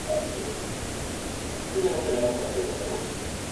Cansado de los conflictos con el sello, Joe apuesta por trabajar como independiente.